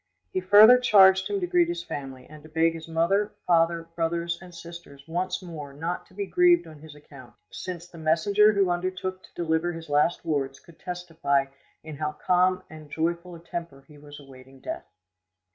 He further charged him to greet his family, and to beg his mother, father, brothers, and sisters once more not to be grieved on his account, since the messenger who undertook to deliver his last wards could testify in how calm and joyful a temper he was awaiting death.